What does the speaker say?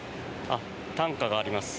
担架があります。